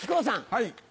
はい。